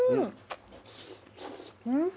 うん！